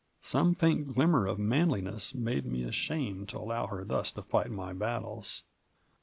Some faint glimmer of manliness made me ashamed to allow her thus to fight my battles.